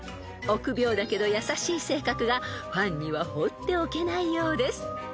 ［臆病だけど優しい性格がファンには放っておけないようです］